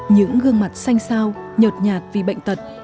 những gương mặt xanh sao nhọt nhạt vì bệnh tật